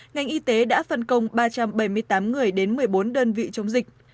ngành y tế đã phân công ba trăm bảy mươi tám người đến một mươi bốn đơn vị chống dịch